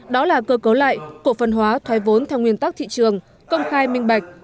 đó là cơ cấu lại cổ phần hóa thoái vốn theo nguyên tắc thị trường công khai minh bạch